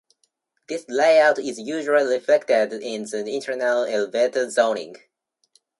This layout is usually reflected in the internal elevator zoning.